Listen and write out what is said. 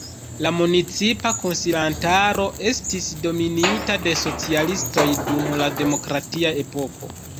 La municipa konsilantaro estis dominita de socialistoj dum la demokratia epoko.